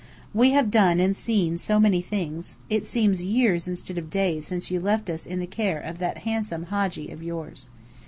We have done and seen so many things, it seems years instead of days since you left us in care of that handsome Hadji of yours.